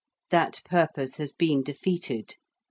That purpose has been defeated.